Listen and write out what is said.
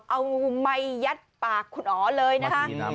เอาไมค์ยัดปากคุณอ๋อเลยนะคะ